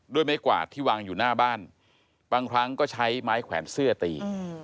ด้วยไม้กวาดที่วางอยู่หน้าบ้านบางครั้งก็ใช้ไม้แขวนเสื้อตี